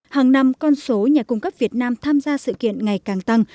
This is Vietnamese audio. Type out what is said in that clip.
hàng năm con số nhà cung cấp việt nam tham gia sự kiện ngày càng tăng